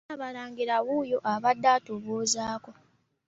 Ssaabalangira wuuyo abadde atubuuzaako.